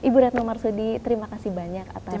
ibu retno marsudi terima kasih banyak atas